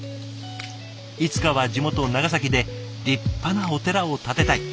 いつかは地元長崎で立派なお寺を建てたい！